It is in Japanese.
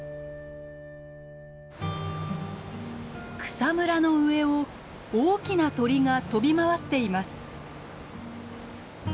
草むらの上を大きな鳥が飛び回っています。